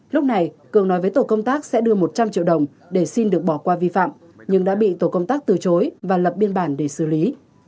lúc này cường nói với tổ công tác sẽ đưa một trăm linh triệu đồng để xin được bỏ qua vi phạm nhưng đã bị tổ công tác từ chối và lập biên bản để xử lý